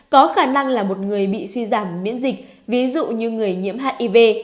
có khả năng là một người bị suy giảm miễn dịch ví dụ như người nhiễm hiv